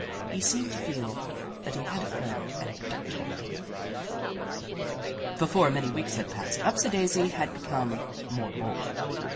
He seemed to feel that he had a friend and protector in me. Before many weeks had passed, Upsidaisi had become more bold.